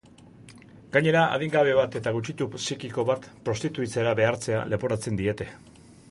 Gainera, adingabe bat eta gutxitu psikiko bat prostituitzera behartzea leporatzen diete.